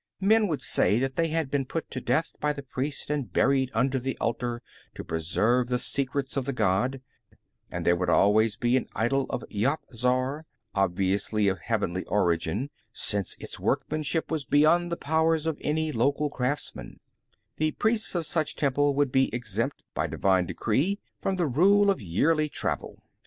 Men would say that they had been put to death by the priest and buried under the altar to preserve the secrets of the god. And there would always be an idol to preserve the secrets of the god. And there would always be an idol of Yat Zar, obviously of heavenly origin, since its workmanship was beyond the powers of any local craftsman. The priests of such a temple would be exempt, by divine decree, from the rule of yearly travel.